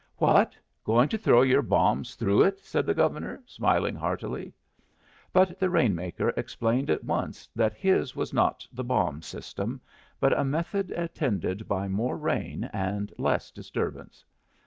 "What! going to throw your bombs through it?" said the Governor, smiling heartily. But the rain maker explained at once that his was not the bomb system, but a method attended by more rain and less disturbance.